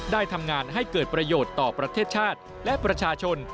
ได้ทำงานให้เกิดประโยชน์ต่อประเทศชาติและประชาชน